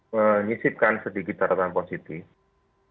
mengisipkan sedikit tarotan positif